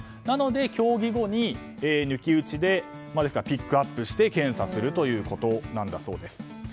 なので競技後に抜き打ちでピックアップして検査するということだそうです。